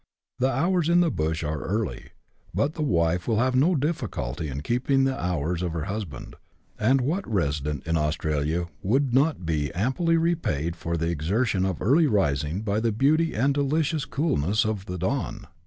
The hours in the feush are early, but the wife will have no diflSculty in keeping the hours of her husband ; and what resident in Australia would not be amply repaid for the exertion of early rising by the beauty and delicious coolness of the dawn